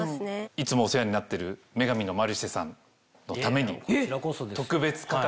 いつもお世話になってる『女神のマルシェ』さんのために。